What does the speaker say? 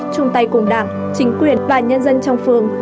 chung tay cùng đảng chính quyền và nhân dân trong phường